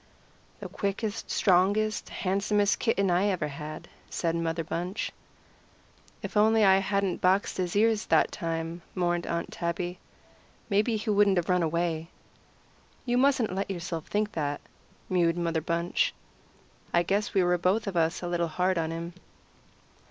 "The quickest, strongest, handsomest kitten I ever had," said Mother Bunch. "If I only hadn't boxed his ears that time," mourned Aunt Tabby, "maybe he wouldn't have run away." "You mustn't let yourself think that," mewed Mother Bunch. "I guess we were both of us a little hard on him."